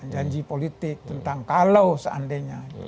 janji politik tentang kalau seandainya